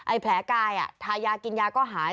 แผลกายทายากินยาก็หาย